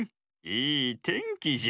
いいてんきじゃ。